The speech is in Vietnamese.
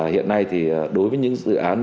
hiện nay đối với những dự án